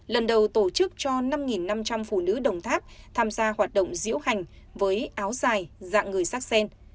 lần đầu tổ chức cho năm năm trăm linh phụ nữ đồng tháp tham gia hoạt động diễu hành với áo dài dạng người sắc sen